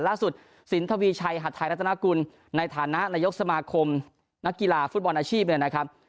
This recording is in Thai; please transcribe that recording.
ล่าสุดสินทวีชัยหัดไทยรัฐนาคุณในฐานะนายกสมาคมนักกีฬาฟุตบอลอาชีพ